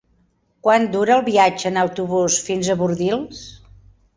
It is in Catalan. Quant dura el viatge en autobús fins a Bordils?